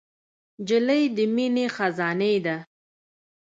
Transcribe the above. نجلۍ د مینې خزانې ده.